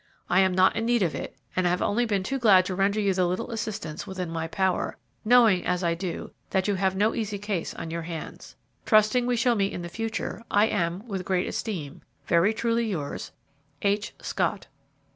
I am not in need of it, and have only been too glad to render you the little assistance within my power, knowing, as I do, that you have no easy case on your hands. "Trusting we shall meet in the future, I am, with great esteem, "Very truly yours, "H. SCOTT.